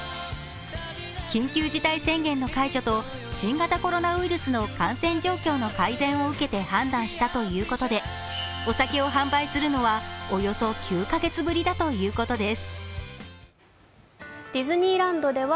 緊急事態宣言の解除と新コロナウイルスの感染状況の改善を受けて判断したということで、お酒を販売するのはおよそ９カ月ぶりだということです。